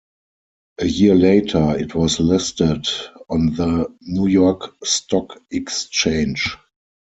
A year later, it was listed on the New York Stock Exchange.